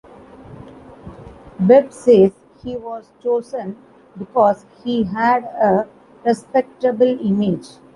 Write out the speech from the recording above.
Webb says he was chosen because he had a respectable image.